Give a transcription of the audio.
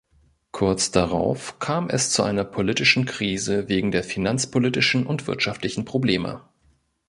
Kurz darauf kam es zu einer politischen Krise wegen der finanzpolitischen und wirtschaftlichen Probleme.